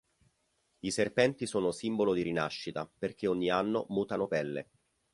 I serpenti sono simbolo di rinascita perché ogni anno mutano pelle.